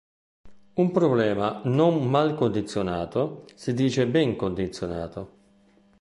Un problema non mal-condizionato si dice ben-condizionato.